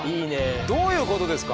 どういうことですか？